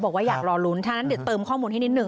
บอกว่าอยากรอลุ้นถ้างั้นเดี๋ยวเติมข้อมูลให้นิดนึ